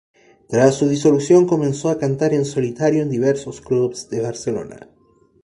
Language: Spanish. Tras su disolución comenzó a cantar en solitario en diversos clubs de Barcelona.